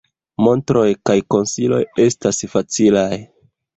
Montroj kaj konsiloj estas facilaj.